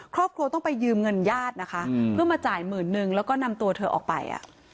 ครอบครัวต้องไปยืมเงินญาตินะคะเพื่อมาจ่ายหมื่นนึงแล้วก็นำตัวเธอออกไป